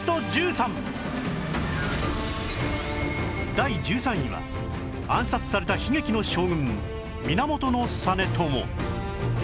第１３位は暗殺された悲劇の将軍源実朝